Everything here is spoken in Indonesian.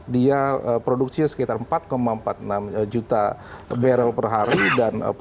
dia produksinya sekitar empat empat puluh enam juta barrel per hari